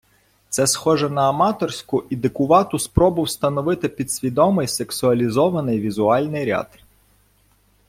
Це схоже на аматорську і дикувату спробу вставити підсвідомий, сексуалізований візуальний ряд.